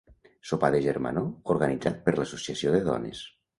Sopar de germanor, organitzat per l'Associació de Dones.